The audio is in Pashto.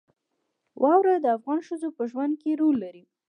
واوره د افغان ښځو په ژوند کې رول لري.